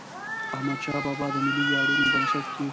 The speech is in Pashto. احمدشاه بابا د ملي ویاړونو بنسټ کېښود.